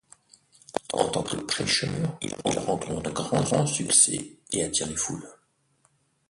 En tant que prêcheur, il rencontre un grand succès et attire les foules.